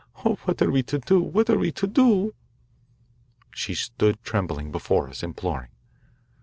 Oh, what are we to do, what are we to do?" She stood trembling before us, imploring.